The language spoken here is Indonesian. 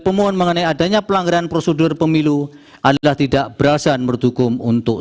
pemohon mengenai adanya pelanggaran prosedur pemilu adalah tidak berasa menurut hukum untuk